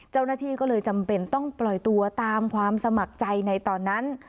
เจ้าหน้าที่ก็เลยจำเป็นต้องปล่อยตัวตามความสมัครใจในตอนนั้น